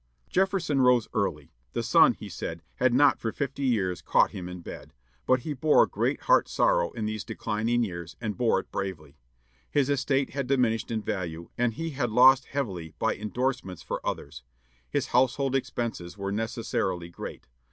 Jefferson rose early; the sun, he said, had not for fifty years caught him in bed. But he bore great heart sorrow in these declining years, and bore it bravely. His estate had diminished in value, and he had lost heavily by indorsements for others. His household expenses were necessarily great.